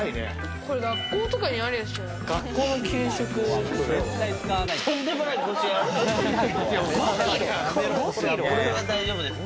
これは大丈夫ですか？